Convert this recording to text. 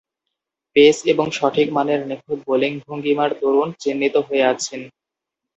Pace এবং সঠিক মানের নিখুঁত বোলিং ভঙ্গীমার দরুন চিহ্নিত হয়ে আছেন।